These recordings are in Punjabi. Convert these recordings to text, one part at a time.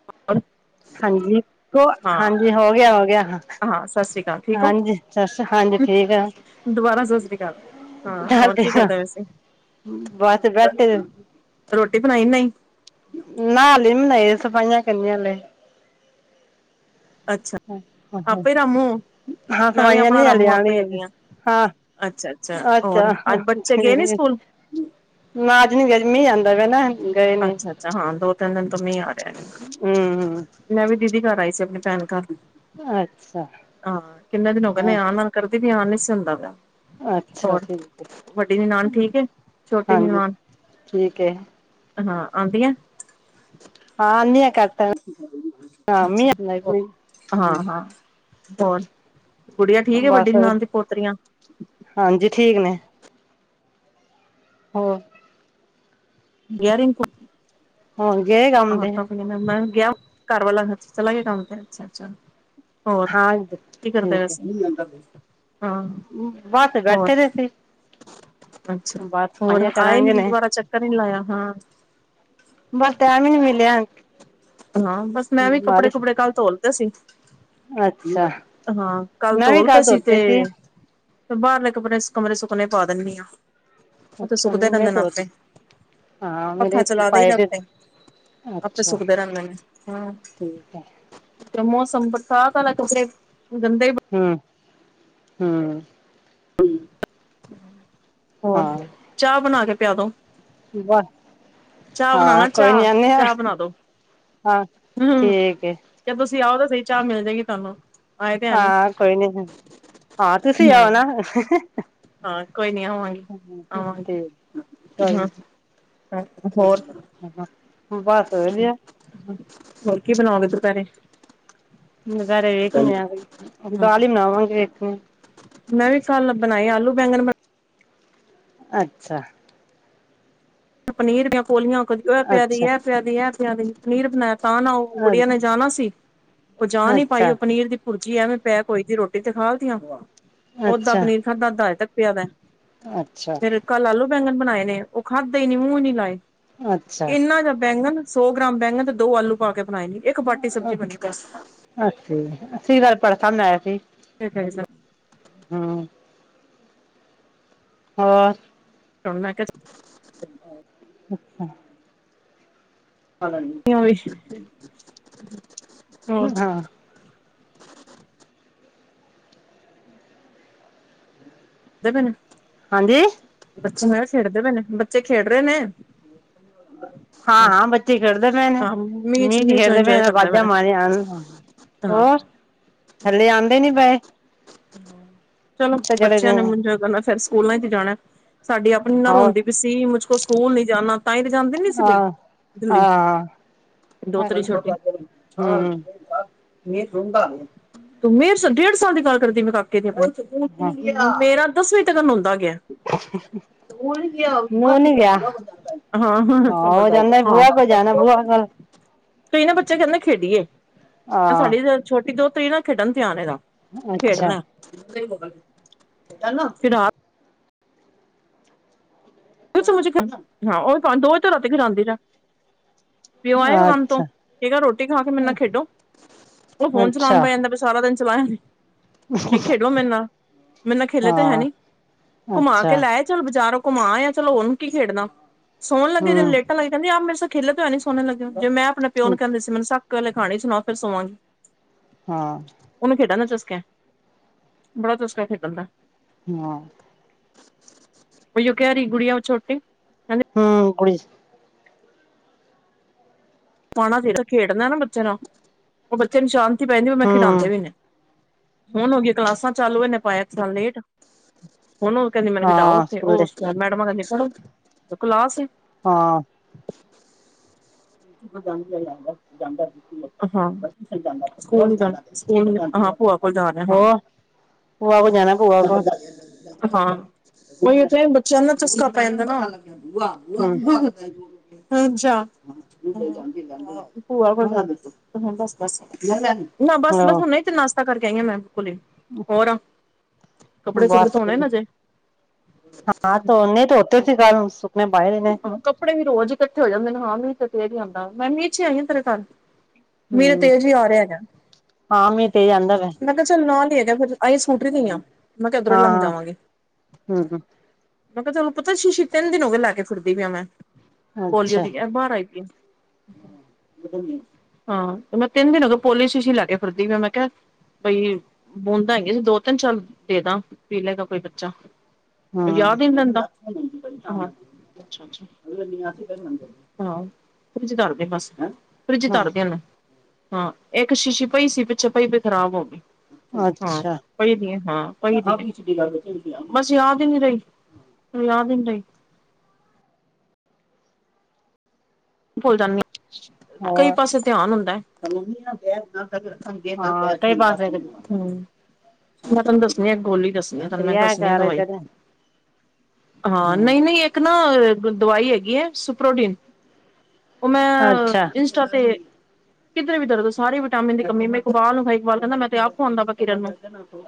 [unintelligible] ਹਾਂਜੀ ਕੋ, ਹਾਂ, ਹਾਂਜੀ ਹੋ ਗਿਆ, ਹੋ ਗਿਆ, ਹ ਹਾਂ ਸਤਿ ਸ੍ਰੀ ਅਕਾਲ ਠੀਕ ਹੋ, ਹਾਂਜੀ। ਸਸ, ਹਾਂਜੀ ਠੀਕ ਐ। ਦੁਬਾਰਾ ਸਤਿ ਸ੍ਰੀ ਅਕਾਲ, ਹੋਰ ਕੀ ਆ ਕਰਦੇ ਪਏ ਸੀ। ਬਸ ਬੈਠੇ ਦੇ ਰੋਟੀ ਬਣਾਈ ਨਈ। ਨਾਲ ਹਾਲੇ ਨੀ ਬਨਾਈ, ਸਫਾਈਆਂ ਕਰਨੀਆਂ ਹਾਲੇ। ਅੱਛਾ ਆਹੋ, ਆਪੇ ਰਾਮੂ ਹਾਂ ਮੈਂ ਵੀ ਸਵਾਈਆਂ ਆਪਣਾ ਨੀ ਹਾਲੇ ਰਾਮੂ ਆਣੀ ਆਪੇ ਏ। ਹੈਗੀ ਆ, ਹਾਂ, ਅੱਛਾ ਹੋਰ ਅੱਛਾ। ਅੱਜ ਬੱਚੇ ਗਏ ਨੀ ਸਕੂਲ? ਨਾ ਆਜ ਨੀ ਗਏ, ਅੱਜ ਮੀਂਹ ਆਂਦਾ ਪਿਆ ਨਾ। ਗਏ ਨੀ ਅੱਛਾ ਅੱਛਾ, ਹਾਂ ਦੋ ਤਿੰਨ ਦਿਨ ਤੋਂ ਮੀਂਹ ਆ ਰਿਹਾ। ਹੁ ਮੈਂ ਵੀ ਦੀਦੀ ਘਰ ਆਈ ਸੀ ਆਪਣੇ ਭੈਣ ਘਰ, ਅੱਛਾ ਹਾਂ ਕਿੰਨੇ ਦਿਨ ਹੋ ਗਿਆ ਨੇ ਹਾਂ ਆਨਾ ਕਰਦੀ ਤੇ ਹਾ, ਨਹੀਂ ਸੀ ਹੋਂਦਾ ਪਯਾ। ਅੱਛਾ ਹੋਰ, ਠੀਕ ਏ ਵੱਡੀ ਨਨਾਨ ਠੀਕ ਹੈ, ਛੋਟੀ ਹਾਂਜੀ ਨਨਾਨ ਠੀਕ ਏ ਹਾਂ ਆ ਦੀਆਂ, ਐ ਹਾਂ ਆਂ ਦਿਆਂ ਏ ਅੱਛਾ, ਈ ਹਾਂ ਹਾਂ ਹੋਰ ਗੁੜੀਆ ਠੀਕ ਹੈ, ਵੱਡੀ ਬਸ ਨਨਾਣ ਦੀ ਪੋਤਰੀਆਂ, ਹਾਂਜੀ, ਠੀਕ ਨੇ। ਹੋ, ਇਅਰਿੰਗ ਹੋਣ ਗਏ ਕੰਮ ਤੇ, ਮੈਂ ਗਿਆ ਘਰ ਵਾਲਾ ਚਲਾ ਗਿਆ ਕੰਮ ਤੇ, ਅੱਛਾ- ਅੱਛਾ। ਹੋਰ, ਹਾਂ ਕੀ ਕਰਦਾ ਪੲੇ ਠੀਕ ਹੈ ਸੀ। ਹਾਂ, ਬਸ ਹੋਰ। ਬੈਠੇ ਦੇ ਸੀ ਅੱਛਾ, ਬਸ ਹੋਰ ਸਫਾਈਆਂ ਆਏ ਕਰਾਂਗੇ ਨੀ ਨੇ ਦੁਬਾਰਾ ਚੱਕਰ ਨੀ ਲਾਇਆ, ਹਾਂ। ਬਸ ਟਾਇਮ ਹੀ ਨੀ ਮਿਲਿਆ। ਹਾਂ, ਬਸ ਮੈਂ ਵੀ ਕੱਪੜੇ ਬਾਰਿਸ਼ ਕੁੱਪੜੇ ਕੱਲ੍ਹ ਧੋ ਲਿਤੇ ਸੀ। ਅੱਛਾ ਹਾਂ, ਕੱਲ੍ਹ ਮੈਂ ਵੀ ਧੋ ਕੱਲ ਲਿਤੇ ਸੀ ਤੇ ਧੋਤੇ ਫੇਰ ਬਾਹਰਲੇ ਕੱਪੜੇ ਕਮਰੇ ਸੁੱਕਣੇ ਪਾ ਦਿੰਦੀ ਆ, ਉਹ ਤੇ ਅੱਛਾ ਸੁੱਕਦੇ ਮੈਂ ਰਹਿੰਦੇ ਨੇ ਧੋ ਆਪੇ। ਹਾਂ ਪੱਖਾ ਮੇਰੇ ਚਲਾ ਦੲੀ ਪਾਏ ਦਾ ਦੇ ਉੱਤੇ, ਆਪੇ ਸੁ ਅੱਛਾ ਠੀਕ ਹੈ [unintelligible] ਮੌਸਮ ਬਰਸ਼ਾਤ ਵਾਲਾ ਕੱਪੜੇ ਗੰਦੇ ਹੂੰ, ਹੂੰ। ਹੋਰ ਹਾਂ ਚਾਹ ਬਣਾ ਕੇ ਪਿਆ ਦੋ। ਚਾਹ ਹਾਂ, ਬਣਾਣਾ ਕੋਈ ਚਾਹ, ਨੀ ਆਦੇ ਆ, ਹਾਂ। ਹੂੰ, ਠੀਕ ਹੈ ਜੇ ਤੁਸੀਂ ਆਓ ਤਾਂ ਸਹੀ ਚਾਹ ਮਿਲ ਜਾਏਗੀ ਤੁਹਾਨੂੰ। ਆਏ ਤੇ ਹੈ ਨੀ। ਹਾਂ, ਕੋਈ ਨੀ, ਹਾਂ ਤੁਸੀਂ ਆਓ ਨਾ। ਹੂੰ, ਹਾਂ ਕੋਈ ਨੀ ਆਵਾਂਗੇ, ਤੇ ਆਵਾਂਗੇ, ਹਾਂ। ਅ ਹੋਰ, ਬਸ ਵਧੀਆ। ਹੋਰ ਕੀ ਬਣਾਓਗੇ ਦੁਪਹਿਰੇ? ਦੁਪਹਿਰੇ ਵੇਖ ਦਿਆ, ਹਾਂ, ਦਾਲ ਹੀ ਬਣਾਵਾਂਗੇ, ਹੂੰ। ਮੈਂ ਵੀ [unintelligible] ਭੱਬਣ ਆਈਆ ਆਲੂ ਬੈਗਣ ਬ ਅੱਛਾ। ਪਨੀਰ ਵੀ ਪੋਲੀਆਂ ਇਹ ਪਿਆ ਦੀ ਅੱਛਾ ਇਹ ਪਿਆ ਦੀ ਐ ਪਿਆ ਦੀ ਪਨੀਰ ਬਣਾਇ ਤਾਂ, ਨਾ ਉਹ ਅ ਗੁੜੀਆਂ ਨੇ ਜਾਣਾ ਸੀ, ਉਹ ਜਾ ਨੀ ਪਾਈ ਅੱਛਾ ਉਹ ਪਨੀਰ ਦੀ ਭੁਰਜੀ ਐਵੇੈਂ ਪੈ ਕੋਈ ਦੀ ਰੋਟੀ ਤੇ ਖਾ ਦੀਆਂ ਵਾ, ਉੱਦਾ ਅੱਛਾ ਪਨੀਰ ਖਾਧਾ ਅੱਧਾ ਅਜੇ ਤੱਕ ਪਿਆ ਵੈ ਅੱਛਾ। ਕੱਲ੍ਹ ਆਲੂ ਬੈਂਗਣ ਬਣਾਏ ਨੇ ਉਹ ਖਾਦੇ ਹੀ ਨੀ ਮੂੰਹ ਨੀ ਲਾਏ, ਅੱਛਾ ਇਹਨਾ ਜਾ ਬੈਂਗਣ ਸੌ ਗ੍ਰਾਮ ਬੈਂਗਣ ਤੇ ਦੋ ਆਲੂ ਪਾ ਕੇ ਬਣਾਏ ਨ ਇੱਕ ਬਾਟੀ ਸਬਜ਼ੀ ਬਣੀ ਬਸ। ਅੱਛਾ, ਅਸੀਂ ਭਰਥਾ ਬਣਾਇਆ ਸੀ। [unintelligible] ਹੂੰ। ਹੋਰ, ਚੱਲ ਮੈਂ ਕਿਹਾ ਹਾਂ। ਅੱਛਾ। [unintelligible] ਹਾਂ। ਦੇਵੇ ਨਾ, ਹਾਂਜੀ। ਬੱਚੇ ਮੈਂ ਕਿਹਾ ਖੇਡਦੇ ਪਏ ਨੇ ਬੱਚੇ ਖੇਡ ਰਹੇ ਨੇ। ਹਾਂ। ਹਾਂ-ਹਾਂ, ਬੱਚੇ ਖੇਡਦੇ ਪਏ ਨੇ, ਮੀਂਹ ਚ ਖੇਡਦੇ ਪੲੇ ਨੇ ਮੈਂ ਬਾਜਾਂ ਮਾਰੀਆਂ ਹਨ। ਹਾਂ। ਹੋਰ ਥੱਲੇ ਆਉਂਦੇ ਨੀ ਪਏ ਚਲੋ ਤੇ ਬੱਚਿਆਂ ਜਿਹੜੇ ਨੇ [unintelligible] ਕਰਨਾ ਫੇਰ ਸਕੂਲਾਂ ਚ ਜਾਣਾ ਸਾਡੀ ਆਪਣੀ ਨਾ ਹੋਰ ਰੋਂਦੀ ਵੀ ਸੀ ਮੁਜ ਕੋ ਸਕੂਲ ਨਹੀਂ ਜਾਣਾ ਤਾਂ ਹੀ ਤਾਂ ਜਾਂਦੇ ਨੀ ਸੀ ਬਈ ਆਹ ਦਿੱਲੀ ਆਹ ਦੋਤਰੀ ਛ ਹਮ [unintelligible] ਮਹ ਤੂੰ ਮਿਹਰ ਡੇਢ ਸਾਲ ਦੀ ਗੱਲ ਕਰਦੀ ਮੈਂ ਕਾਕੇ ਦੀ ਹੁੰ ਹਾਂ ਮੇਰਾ ਦਸਵੀਂ ਤੱਕ ਨੁੰਦਾ ਗਿਆ। [inaudible] ਸਕੂਲ ਨੀ ਗਿਆ, [unintelligible] ਨੂੰਹ ਨੀ ਗਿਆ ਹਾਂ-ਹਾਂ, ਹਾਂ ਹੋ ਜਾਂਦਾ ਬੂਆ ਕੋਲ ਜਾਣਾ ਹਾਂ। ਬੂਆ ਕੋਲ ਕਈ ਨਾ ਬੱਚੇ ਕਹਿੰਦੇ ਖੇਡੀਏ ਹਾਂ ਸਾਡੀ ਛੋਟੀ ਦੋਹਤੀ ਨਾ ਖੇਡਣ ਚ ਧਿਆਨ ਇਹ ਦਾ ਅੱਛਾ ਖੇਡਣਾ [unintelligible] [unintelligible] ਰਾਤੀ ਦੋ ਵਜੇ ਤੱਕ ਖਿੜਾਂਦੀ ਰਹਿ ਪਿਓ ਆਏਗਾ ਕੰਮ ਤੋਂ ਅੱਛਾ ਕੇਹ ਗਾ ਰੋਟੀ ਖਾ ਕੇ ਮੇਰੇ ਨਾਲ ਖੇਡੋ ਉਹ ਫੋਨ ਚਲਾਉਣ ਅੱਛਾ ਬੇਹ ਜਾਂਦਾ ਸਾਰਾ ਦਿਨ ਚਲਾਇਆ ਨੇ ਕ ਖੇਡੋ ਮੇਰੇ ਨਾਲ ਮੇਰੇ ਨਾਲ ਖੇਲੇ ਤੇ ਹੈਨੀ ਹਾਂ ਘੁਮਾ ਅੱਛਾ ਕੇ ਲੈ ਆਇ ਚਲੋ ਬਜ਼ਾਰੋਂ ਘੁੰਮਾ ਆ ਚਲੋ ਉਹਨੂੰ ਕੀ ਖੇਡਦਾ ਸੋਣ ਲੱਗੇ ਦੇ ਹਮ ਲੇਟ ਪਹਲੇ ਕਹਦੀ ਆ ਮੇਰੇ ਸੇ ਖੇਲੋ ਤੋਂ ਹੈਂ ਨ ਸੋ ਲਗੇ ਜ ਮੈਂ ਆਪਣੇਿਓ ਨੂੰ ਕਹਿੰ ਸੀ ਮਨੂੰ ਸੱਕ ਵੇ ਖਾਣੀ ਸੁਣਾ ਫਿਰ ਸਵਾਂਗੀ ਹਾਂ ਉਹਨੂੰ ਖੇਡਣ ਦਾ ਚਸਕਾ ਬੜਾ ਚਸਕਾ ਖੇਡਣ ਦਾ ਹਾਂ ਭਈਓ ਕ ਰੀ ਗੁੜੀਆਂ ਉਹ ਛੋਟੀ ਕਹਿੰਦੀ ਹਮ ਕੁੜੀ ਆਉਣਾ ਚਾਹੀਦਾ ਖੇਡਣਾ ਨਾ ਬੱਚੇ ਨਾਲ ਉਹ ਬੱਚੇ ਨੂੰ ਸ਼ਾਂਤੀ ਪੈਂਦੀ ਉਹ ਮੈਂ ਖਿਡਾਂਉਂਦੇ ਹਮ ਵੀ ਨਹੀਂ ਹੁਣ ਹੋ ਗਈਆਂ ਕਲਾਸਾਂ ਚਾਲੂ ਇਹਨੇ ਪਾਇਆ ਇੱਕ ਸਾਲ ਲੇਟ ਹੁਣ ਓ ਕਹਿੰਦੀ ਮੈਨੂੰ ਖਡਾਓ ਹਾਂ ਉੱਥੇ ਸਕੂਲ ਉਹ ਦੇ ਮੈਡਮਾ ਕਹਿੰਦੀ ਪੜ੍ਹੋ ਕਲਾਸ ਏ ਹਾਂ [unintelligible] [unintelligible] ਹਾਂ ਸਕੂਲ ਨ ਜਾਣਾ ਸਕੂਲ ਨ [unintelligible] ਹੋਰ ਭੂਆ ਕੋਲ ਜਾਣਾ ਭੂਆ ਕੋਲ [unintelligible] ਹਾਂ ਉਹੀ ਉਥੇ ਬੱਚਿਆਂ ਨੂੰ ਨਾ ਚਸਕਾ ਪੈਂ ਜਾਂਦਾ ਨਾ ਹਮ [unintelligible] ਭੂਆ ਬਸ ਬ ਨਾ ਬਸ ਬਸ ਹੁਣ ਤੇ [unintelligible] ਕੱਪੜੇ ਕੁਪੜੇ ਬਸ ਧੋਣੇ ਵ ਨੇ ਅਜੇ [unintelligible] ਹਾਂ ਤੋਨੇ ਤੋ [unintelligible] ਗੱਲ ਨੂੰ ਸੁੱਕਣੇ ਭਈਰੀ ਨੇ ਹਾਂ ਕੱਪੜੇ ਵੀੋਜ਼ ਇਕੱਠੇ ਹੋ ਜਾਂਦੇ ਨੇ ਹਾਂ ਮੀਂਹ ਤੇੇਰ ਆਂਦਾ ਮੀਹ ਚ ਆਈ ਹਾਂ ਤੇਰੇ ਘਰ ਵੀਰ ਹਮ ਤੇਜ ਜੀ ਆ ਰਿਹਾ ਹੈਗਾ ਹਾਂ ਮੀਂਹ ਤੇਜ਼ ਆਂਦਾ ਪਿਆ ਮੈਂ ਕਿਹਾ ਚੱਲ ਨਾਲ ਹੀ ਹੈਗਾ ਫੇਰ ਆਈ ਸਕੂਟਰੀ ਤੇ ਹੀ ਹਾਂ ਮੈਂ ਕਿਹਾ ਇਧਰੋਂ ਲੰਘ ਹਾਂ ਜਾਵਾਂਗੀ ਹਾਂ ਹਮ ਮੈਂ ਕਿਹਾ ਤੁਹਾਨੂੰ ਪਤਾ ਸ਼ੀਸ਼ੀ ਤਿੰਨ ਦਿਨ ਹੋ ਗਏ ਲੈ ਕੇ ਫਿਰਦੀ ਪਈ ਆ ਮੈਂ ਪੋਲੀਓ ਅੱਛਾ ਦੀ ਐ ਬਾਹਰ ਆਈ ਦੀ ਹਾਂ ਤੇ ਮੈਂ ਤਿੰਨ ਦਿਨ ਹੋ ਪੋਲਿਸ ਦੀ ਸ਼ੀਸ਼ੀ ਲੈ ਕੇ ਫਿਰਦੀ ਫ ਮੈਂ ਕਿਹਾ ਬਈ ਬੂੰਦਾ ਹੈਸੀ ਦੋ ਤਿੰਨ ਸਾਲ ਦੇ ਦ ਪੀਲੇ ਗਾ ਕੋਈ ਬੱਚਾ ਹਮ ਯਾਦ ਨਹੀ ਰਹਿੰਦਾ ਹਾਂ ਅੱਛਾ ਅੱਛਾ [unintelligible] ਬਸ ਫਰਿੱਜ ਚ ਧਰ ਦੇ ਏਨੂੰ ਹਾਂ ਇੱਕ ਸ਼ੀਸ਼ੀ ਪਈ ਸੀ ਪਿੱਛੇ ਪਈ ਵੀ ਖ਼ਰਾਬ ਹੋ ਗਈ ਹਾਂ ਅੱਛਾ ਪਈ ਦੀ ਏ ਹਾਂ ਬਸ ਯਾਦ ਹੀ ਨੀ ਰਹੀ ਯਾਦ ਹੀ ਨੀ ਰਹੀ ਭੁੱਲ ਜਾਂਦੀ ਆਂ ਕਈ ਹੋਰ ਪਾਸੇ ਧਿਆਨ ਹੁੰਦਾ ਗੇ ਹਾਂ ਕਈ ਸੁਣਦਾ ਪਾਸੇ ਸੁਣਦਾ ਹਮ ਮੈਂ ਤੁਹਾਨੂੰ ਦੱਸਣੀ ਆ ਗੋਲੀ ਦੱਸ ਤੁਹਾਨੂੰ ਮੈਂ ਰਿਹਾ ਦੱਸਣੀ ਆ ਕਰ ਦਵਾਈ ਕਰ ਹਾਂ, ਹੂੰ ਨਹੀਂ-ਨਹੀਂ ਇੱਕ ਨਾ ਦਵਾਈ ਹੈਗੀ ਹੈ ਸੁਪ੍ਰੋਢਿਨ ਉਹ ਮੈਂ ਅੱਛਾ ਇੰਸਟਾ ਤੇੇ ਕਿਧਰ ਵੀ ਦਰਦ ਸਾਰੀ ਵਿਟਾਮਿ ਦੀ ਕਮੀ ਮੈਂ ਇੱਕਬਾਲ ਨੂੰ ਕਿਹਾ ਕਹਿੰਦਾ ਮੈਂ ਤੇ ਆਪ ਖਾਵਾਉਂਦਾ ਪਿਆ ਕਿਰਤ ਨੂੰ।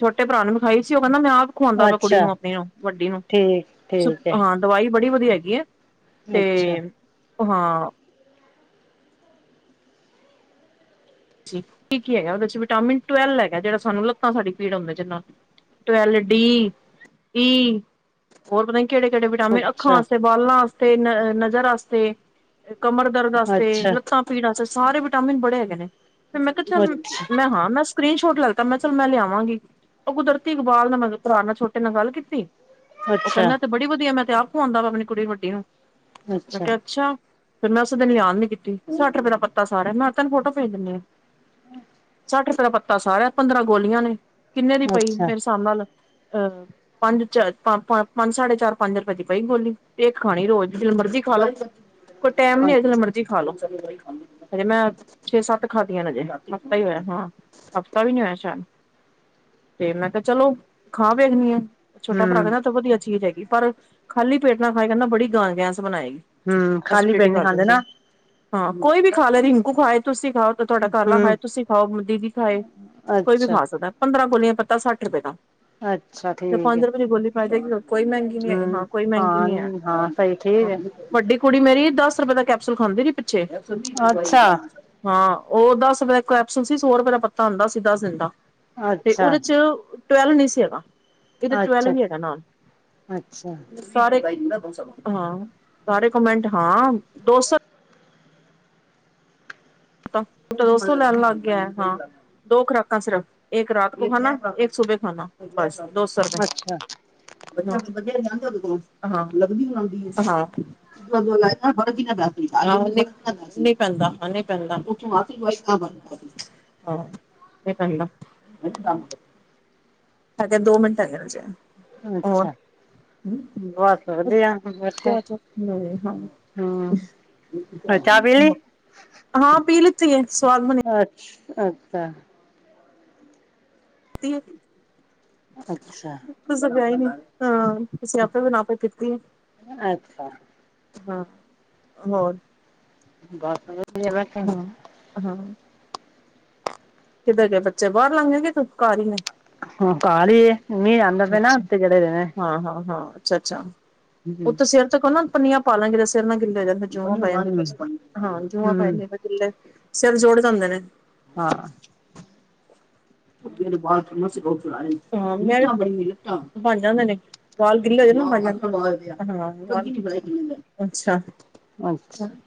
ਛੋਟੇ ਭਰਾ ਨੂੰ ਵਿਖਾਈ ਸੀ ਉਹ ਕਹਿੰਦਾ ਮੈਂ ਆਪ ਖੁਵਾਉਂਦਾ ਪਾ ਕੁੜੀ ਅੱਛਾ ਨੂੰ ਆਪਣੀ ਨੂੰ ਵੱਡੀ ਨੂੰ, ਠੀਕ ਠੀਕ ਹੈ ਹਾਂ ਦਵਾਈ ਬੜੀ ਵਧੀਆ ਹੈਗੀ ਆ। ਅੱਛਾ ਹਾਂ ਕੀ-ਕੀ ਹੈਗਾ ਉਹਦੇ ਚ ਵਿਟਾਮਿਨ ਟਵਲਵ ਹੈਗਾ ਜਿਹੜਾ ਸਾਨੂੰ ਲੱਤਾ ਸਾਡੀ ਪੀੜ ਆਉਂਦੇ ਜਿਨ੍ਹਾਂ ਨੂੰ ਟਵਲ ਡੀ, ਬੀ ਹੋਰ ਪਤਾ ਨੀ ਕਿਹੜੇ-ਕਿਹੜੇ ਵਿਟਾਮਿਨ ਅੱਖਾਂ ਅੱਛਾ ਵਸਤੇ, ਬਾਲਾਂ ਵਸਤੇ, ਨਜ਼ਰ ਵਾਸਤੇ। ਕਮਰ ਦਰਦ ਵਾਸਤੇ, ਅੱਛਾ ਲੱਤਾਂ ਪੀਣ ਵਾਸਤੇ ਸਾਰੇ ਵਿਟਾਮਿਨ ਬੜੇ ਹੈਗੇ ਨੇ। ਫਿਰ ਮੈਂ ਕਿਹਾ ਚਲ ਅੱਛਾ ਮੈਂ ਹਾਂ ਮੈਂ ਸਕਰੀਨ ਸ਼ੋਟ ਲੈਤਾ ਮੈਂ ਚਲ ਮੈਂ ਲਿਆਵਾਂਗੀ ਉਹ ਕੁਦਰਤੀ ਇਕਬਾਲ ਨੇ ਮੈਂ ਭਰਾ ਨਾਲ ਛੋਟੇ ਨਾਲ ਗੱਲ ਕੀਤੀ। ਉਹ ਅੱਛਾ ਕਹਿੰਦਾ ਤੇ ਬੜੀ ਵਧੀਆ ਮੈਂ ਤੇ ਆਖ ਆਉਂਦਾ ਵਾ ਆਪਣੀ ਕੁੜੀ ਵੱਡੀ ਨੂੰ ਮੈਂ ਕਿਹਾ, ਅੱਛਾ। ਫੇਰ ਮੈਂ ਉਸੇ ਦਿਨ ਲਿਆਣ ਦੀ ਕੀਤੀ, ਸੱਠ ਰੁਪਏ ਦਾ ਪਤਾ ਸਾਰਾ ਮੈਂ ਤਨੂੰ ਫੋਟੋ ਭੇਜ ਦਿੰਦੀ ਹਾਂ। ਸੱਠ ਰੁਪਇਆ ਪੱਤਾ ਸਾਰਾ ਆ ਪੰਦਰਾਂ ਗੋਲੀਆਂ ਨੇ ਕਿੰਨੇ ਦੀ ਪਈ ਅੱਛਾ ਮੇਰੇ ਹਿਸਾਬ ਨਾਲ ਅਹ ਪੰਜ- ਪੰਜ ਸਾਢੇ ਚਾਰ-ਪੰਜ ਰੁਪਏ ਦੀ ਪਈ ਗੋਲੀ। ਤੇ ਇਕ ਖਾਣੀ ਰੋਜ਼ ਜਦੋ ਮਰਜ਼ੀ ਖਾਲੋ। ਕੋਈ ਟੈਮ ਨੀ ਅਗਲੇ ਮਰਜ਼ੀ ਖਾ ਲੋ ਹਜੇ ਮੈਂ ਛੇ-ਸੱਤ ਖਾਦੀਆਂ ਨੇ ਅਜੇ ਹਫ਼ਤਾ ਹੀ ਹੋਇਆ, ਹਾਂ ਹਫ਼ਤਾ ਵੀ ਨੀ ਹੋਇਆ ਸ਼ਾਇਦ ਤੇ ਮੈਂ ਕਿਹਾ ਚਲੋ ਖਾ ਵੇਖਣੀ ਆ। ਛੋਟਾ ਭਰਾ ਹੂੰ ਕਹਿੰਦਾ ਤੇ ਉਹ ਵਧੀਆ ਚੀਜ ਹੈਗੀ ਪਰ ਖਾਲੀ ਪੇਟ ਨਾ ਖਾਈ ਕਹਿੰਦਾ ਬੜੀ ਗੈਸ ਬਣਾਏਗੀ। ਹੂੰ ਖਾਲੀ ਪੇਟ ਐਸਲਿਟੀ ਨੀ ਕਰ ਖਾਂਦੇ ਦਿੰਨਦੇ, ਨਾ ਹਾਂ ਕੋਈ ਵੀ ਖਾ ਲੈ ਰਿੰਕੂ ਖਾਏ ਤੁਸੀਂ ਖਾਓ। ਤੁਹਾਡਾ ਘਰਲਾ ਹੂੰ ਖਾਏ, ਤੁਸੀਂ ਖਾਓ, ਦੀਦੀ ਖਾਏ ਕੋਈ ਵੀ ਅੱਛਾ ਖਾ ਸਕਦਾ। ਪੰਦਰਾਂ ਗੋਲੀਆਂ ਪੱਤਾ ਸੱਠ ਰੁਪਏ ਦਾ ਅੱਛਾ ਜੇ ਠੀਕ ਹੈ ਪੰਜ ਰੁਪਏ ਦੀ ਗੋਲੀ ਪਾਈ ਜਾਏਗੀ। ਕੋਈ ਮਹਿੰਗੀ ਨੀ ਹੈ, ਹਾਂ ਹੂੰ ਕੋਈ ਮਹਿੰਗੀ ਹਾਂ ਨੀ ਹੈ। ਹਾਂ ਸਹੀ ਠੀਕ ਹੈ ਵੱਡੀ ਕੁੜੀ ਮੇਰੀ ਦਸ ਰੁਪਏ ਦਾ ਕੈਪਸੂਲ ਖਾਂਦੀ ਰੀ ਪਿੱਛੇ ਅੱਛਾ ਹਾਂ। ਉਹ ਦਸ ਰੁਪਏ ਦਾ ਕੈਪਸੂਲ ਸੀ ਸੋ ਰੁਪਏ ਦਾ ਪੱਤਾ ਆਉਂਦਾ ਸੀ ਦਸ ਦਿਨ ਦਾ ਤੇ ਅੱਛਾ ਉਹਦੇ ਚ ਟਵੈਲਵ ਨਹੀਂ ਸੀ ਹੈਗਾ, ਇੱਧਰ ਟਵੈਲਵ ਅੱਛਾ ਵੀ ਹੈਗਾ ਨਾਲ। ਅੱਛਾ ਸਾਰੇ ਹਾਂ, ਸਾਰੇ ਕਮੈਂਟ ਹਾਂ ਦੋ ਸੌ ਡਾਕਟਰ ਦੋ ਸੋ ਲੈਣ ਲੱਗ ਗਿਆ, ਹਾਂ। ਦੋ ਖੁਰਾਕਾਂ ਸਿਰਫ ਇੱਕ ਰਾਤ ਕੋ ਖਾਨਾ, ਇੱਕ ਸੁਬੇ ਖਾਨਾ ਬਸ ਦੋ ਸੋ ਰੁਪਏ। ਅੱਛਾ ਵਧੀਆ ਜਾਂਦੇ ਉਦੇ ਕੋਲ ਹਾ ਲੱਗਦੀ ਹੋ ਦੀ ਲ ਵਧੀਆ ਦੱਸ-ਦੱਸ ਨੀ ਪੈਂਦਾ ਹਨ ਉਥੋਂ ਆ ਕੇ ਦਵਾਈ ਦਾ ਹਾ [unintelligible] ਫਰਕ ਨਹੀਂ ਪੈਂਦਾ ਕੰਮ ਤੇ ਇਧਰ ਦੋ ਮਿੰਟ ਹੈਗ ਜੇ। ਅੱਛਾ। ਬਸ ਵਧੀਆ ਬੈਠੇ ਅੱਛਾ ਅੱਛਾ ਹੂੰ। ਹੋਰ ਚਾ ਚਾਹ ਪੀ ਦਿਤੀ, ਲਈ ਹਾਂ ਪੀ ਲਿੱਤੀ ਹੈ ਸਵਾਦ ਬਣੀ। ਅੱਛ ਅੱਛਾ। ਦੀ [inaudible] ਅੱਛਾ। ਤੁਸੀਂ ਤੇ ਹੈ ਨਹੀਂ, ਚਾ ਹਾਂ ਅਸੀਂ ਆਪੇ ਬਣਾ ਕੇ ਪੀਤੀ ਆ। ਅੱਛਾ ਹਾਂ, ਹੋਰ ਬਸ ਵੇ [unintelligible] ਹਾਂ ਹਾਂ। ਕਿਧਰ ਗਏ ਬੱਚੇ ਬਾਹਰ ਲੰਘਗੇ ਗਏ ਕਿ ਘਰ ਹੀ ਨੇ। ਹਾ ਘਰ ਹੀ ਹੈ ਮੀਂਹ ਆਂਦਾ ਪਿਆ ਨਾ ਉੱਤੇ ਚੜੇ ਨੇ। ਹਾਂ-ਹਾਂ-ਹਾਂ, ਅੱਛਾ-ਅੱਛਾ, ਉਹ ਹੂੰ ਤਾਂ ਸਿਰ ਤੇ ਕੋਲ ਨਾ ਪੰਨੀਆਂ ਪਾ ਲੇਣਗੇ ਸਿਰ ਨਾ ਗਿੱਲੇ ਹੋ ਜਾਏ। ਜੂਆਂ ਪੈ ਜਾਦੀਆ, ਹੂੰ ਜੂਆਂ ਪੈ ਹੂੰ ਜਾਣ ਸਿਰ ਜੂੜ ਜਾਂਦੇ ਨੇ। ਹਾਂ। ਬਣ ਜਾਂਦੇ ਨੇ ਵਾਲ ਗਿੱਲੇ ਹੋ ਜਾ ਨਾ ਮ ਆ ਹਾਂ ਅੱਛਾ ਅੱਛਾ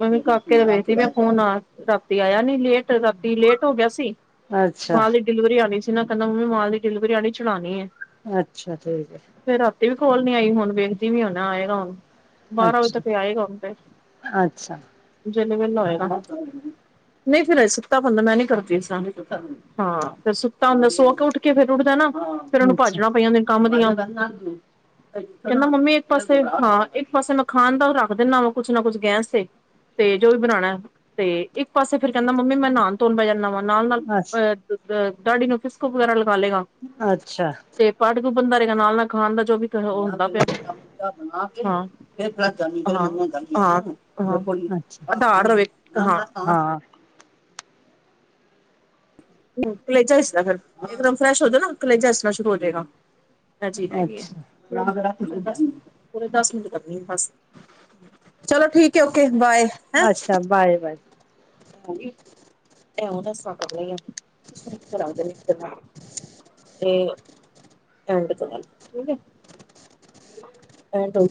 ਮੈਂ ਵੀ ਕਾਕੇ ਨੂੰ ਵੇਖਦੀ ਮੈਂ ਫੋਨ ਆਇਆ ਰਾਤੀ ਆਇਆ ਨੀ ਲੇਟ ਰਾਤੀ ਲੇਟ ਹੋ ਗਿਆ ਸੀ ਅੱਛਾ। ਮਾਲ ਦੀ ਡਿਲੀਵਰੀ ਆਨੀ ਸੀ ਨਾ ਕਹਿੰਦਾ ਮੰਮੀ ਮਾਲ ਦੀ ਡਿਲੀਵਰੀ ਵਾਲੀ ਚੜਾਉਣੀ ਹੈ ਅੱਛਾ ਠੀਕ ਹੈ ਫਿਰ ਰਾਤੀ ਵੀ ਕੋਲ ਨੀ ਆਈ ਹੁਣ ਵੇਖਦੀ ਹਾਂ ਨਾ ਆਏਗਾ ਹੁਣ ਬਾਰਾਂ ਵਜੇ ਅੱਛਾ ਤੱਕ ਹੀ ਆਏਗਾ ਹੁਣ ਤੇ ਅੱਛਾ ਜਿਮ ਜੂਮ ਲਾਏਗਾ ਨਹੀਂ ਫਿਰ ਸੁਤਾ ਬੰਦਾ ਮੈਂ ਨੀ ਕਰਤੀ ਸ ਹਾਂ ਫਿਰ ਸੁੱਤਾ ਹੁੰਦਾ ਸੁੋੱਕ ਉੱਠ ਕੇ ਫਿਰ ਉੱਠਦਾ ਨਾਂ ਉਹਨੂੰ ਅੱਛਾ ਭਾੱਜੜਾ ਪਈਆਂ ਹੁੰਦੀਆਂ ਕੰਮ ਦੀ ਆ ਕਹਿੰਦਾ ਮੰਮੀ ਇੱਕ ਪਾਸੇ ਹਾਂ ਇੱਕ ਪਾਸੇ ਮੈਂ ਖਾਣ ਦਾ ਉਹ ਰੱਖ ਦਿੰਦਾ ਵ ਕੁੱਛ ਨਾ ਕੁੱਛ ਗੇਂਸ ਤੇ ਤੇ ਜੋ ਵੀ ਬਣਾਉਣਾ ਤੇ ਇੱਕ ਪਾਸੇ ਫਿਰ ਕਹਿੰਦਾ ਮੰਮੀ ਮੈਂ ਨਹਾਣ ਧੋਣ ਪੈ ਜਾਂਦਾ ਵਾ ਨਾਲ ਨਾਲ ਅੱਛ ਅਹ ਦਾਡੀ ਨੂੰ ਫਿਸਕੋ ਵਗੈਰਾ ਲਗਾ ਲਏਗਾ ਅੱਛਾ ਤੇ ਪੱਗ ਬਣਦਾ ਰਹੇਗਾ ਨਾਲ ਨਾਲ ਖਾਣ ਦਾ ਜੋ ਵੀ ਉਹ ਹੁੰਦਾ ਪਿਆ ਹਾਂ ਅੱਛਾ ਫਧ ਰ [unintelligible] ਹਾਂ ਹਂ ਕਲੇਜਾ ਹਿਸਦਾ ਫਿਰ ਇੱਕਦਮ ਫਰੈਸ਼ ਹੋ ਜਾ ਨਾ ਕਲੇਜਾ ਹਚਣਾ ਸ਼ੁਰੂ ਹੋ ਜਾਏਗਾ ਤਾਂ ਚੀ ਰਹਿ ਗਈ ਹੈ ਅੱਛਾ ਪੂਰੇ ਦਸ ਮਿੰਟ ਕਰਨੀ ਆ ਬਸ ਚਲੋ ਠੀਕ ਹੈ ਓਕੇ ਬਾਏ ਅੱਛਾ ਬਾਏ ਬਾਏ ਐਉਂ ਦੱਸਾਂ ਕਰ ਲ ਆ [unintelligible] ਨ ਤੇ [unintelligible] ਐਂਡ ਠੀਕ ਹੈ ਐ